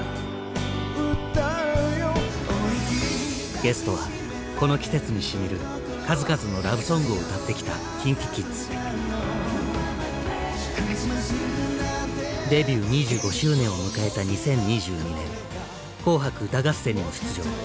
ゲストはこの季節にしみる数々のラブソングを歌ってきたデビュー２５周年を迎えた２０２２年「紅白歌合戦」に出場。